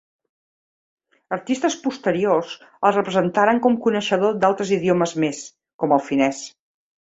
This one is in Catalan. Artistes posteriors el representaran com coneixedor d'altres idiomes més, com el finès.